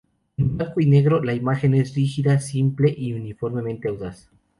En blanco y negro, la imagen es rígida, simple y uniformemente audaz.